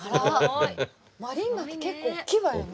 マリンバって結構大きいわよね。